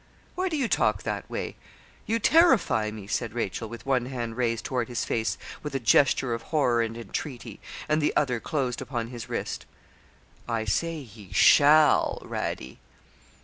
'Why do you talk that way? You terrify me,' said Rachel, with one hand raised toward his face with a gesture of horror and entreaty, and the other closed upon his wrist. 'I say he shall, Radie.'